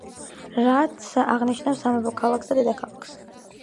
რაც აღნიშნავს სამეფო ქალაქს ან დედაქალაქს.